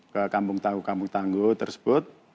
ke kampung tangguh kampung tangguh tersebut